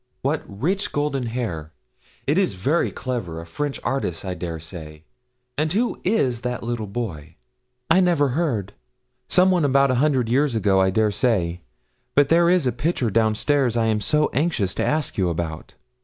What rich golden hair! It is very clever a French artist, I dare say and who is that little boy?' 'I never heard. Some one a hundred years ago, I dare say. But there is a picture down stairs I am so anxious to ask you about!'